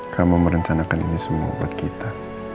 kamu merencanakan ini semua obat kita